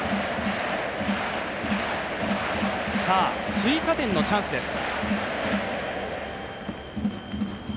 追加点のチャンスです。